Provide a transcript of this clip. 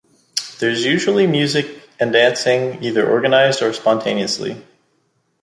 There is usually music and dancing, either organized or spontaneously.